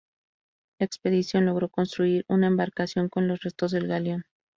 La expedición logró construir una embarcación con los restos del galeón.